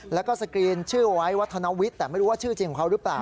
แล้วก็สกรีนชื่อไว้วัฒนวิทย์แต่ไม่รู้ว่าชื่อจริงของเขาหรือเปล่า